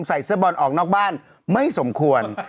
ใส่เสื้อบอลออกนอกบ้านไม่สมควร